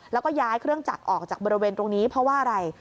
แล้วก็ย้ายเครื่องจักรออกจากบริเวณตรงนี้เพราะว่าอะไร